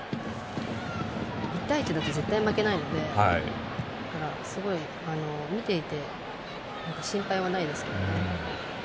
１対１だと絶対負けないので見ていて心配はないですけどね。